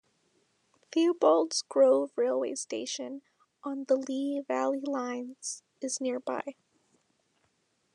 Theobalds Grove railway station, on the Lea Valley Lines, is nearby.